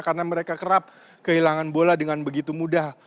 karena mereka kerap kehilangan bola dengan begitu mudah